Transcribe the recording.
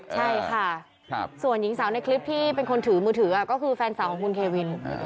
ใช่ค่ะส่วนหญิงสาวในคลิปที่เป็นคนถือมือถือก็คือแฟนสาวของคุณเควิน